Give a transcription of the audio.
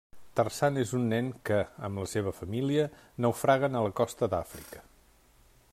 Tarzan és un nen que amb la seva família naufraguen a la costa d'Àfrica.